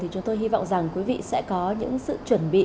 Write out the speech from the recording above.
chúng tôi hy vọng rằng quý vị sẽ có những sự chuẩn bị